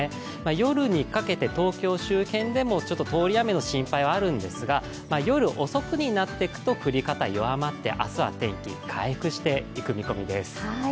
夜にかけて東京周辺でも通り雨の心配はあるんですが夜遅くになってくと降り方、弱まって明日は天気、回復していく見込みです。